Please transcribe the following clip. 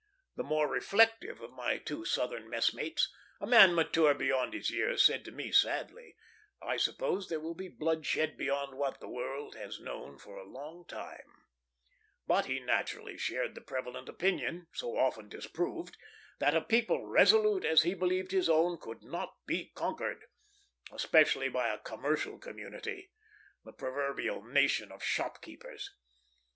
The more reflective of my two Southern messmates, a man mature beyond his years, said to me sadly, "I suppose there will be bloodshed beyond what the world has known for a long time;" but he naturally shared the prevalent opinion so often disproved that a people resolute as he believed his own could not be conquered, especially by a commercial community the proverbial "nation of shopkeepers."